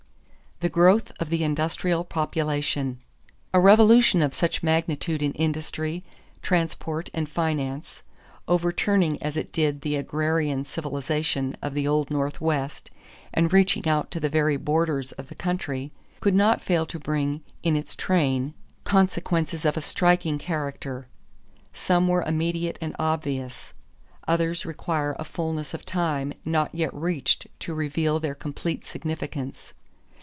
=The Growth of the Industrial Population.= A revolution of such magnitude in industry, transport, and finance, overturning as it did the agrarian civilization of the old Northwest and reaching out to the very borders of the country, could not fail to bring in its train consequences of a striking character. Some were immediate and obvious. Others require a fullness of time not yet reached to reveal their complete significance.